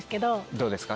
どうですか？